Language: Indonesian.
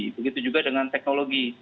begitu juga dengan teknologi